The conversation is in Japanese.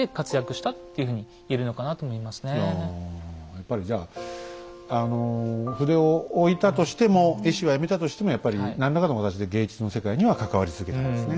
やっぱりじゃあの筆をおいたとしても絵師はやめたとしてもやっぱり何らかの形で芸術の世界には関わり続けたんですね。